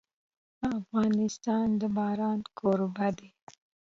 افغانستان د باران کوربه دی.